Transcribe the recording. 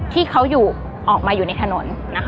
ที่เขาออกมาอยู่ในถนน